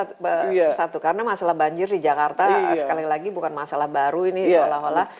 itu satu karena masalah banjir di jakarta sekali lagi bukan masalah baru ini seolah olah